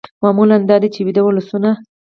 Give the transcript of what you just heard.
معمول دا دی چې ویده ولسونه